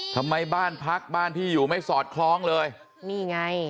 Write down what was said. ไถมาบ้านพักบ้านพี่อยู่มั้ยสอดคล้องเลยนี่ไง